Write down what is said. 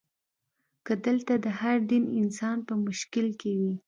که دلته د هر دین انسان په مشکل کې وي.